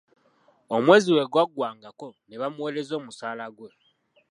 Omwezi bwe gwaggwangako, nebamuwereza omusaala ggwe.